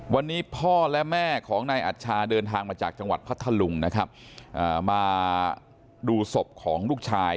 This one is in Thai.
วันนี้พ่อและแม่ของนายอัชชาเดินทางมาจากจังหวัดพัทธลุงนะครับมาดูศพของลูกชาย